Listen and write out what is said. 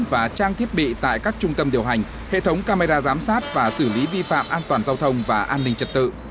và trang thiết bị tại các trung tâm điều hành hệ thống camera giám sát và xử lý vi phạm an toàn giao thông và an ninh trật tự